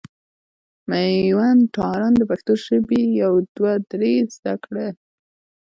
مېوند تارڼ د پښتو ژبي يو دوه درې زده کړي.